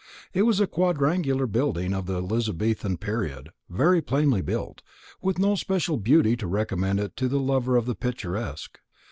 It was a quadrangular building of the Elizabethan period, very plainly built, and with no special beauty to recommend it to the lover of the picturesque.